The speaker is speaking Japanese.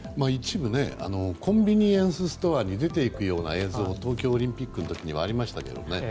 一部コンビニエンスストアに出て行くような映像が東京オリンピックの時はありましたけどね。